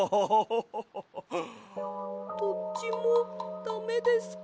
どっちもダメですか？